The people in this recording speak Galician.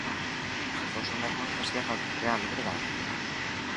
Se fose o mesmo, non facía falta crealo, ¿verdade?